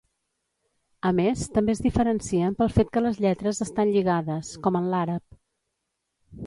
A més també es diferencien pel fet que les lletres estan lligades, com en l'àrab.